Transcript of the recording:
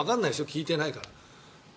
聞いてないから。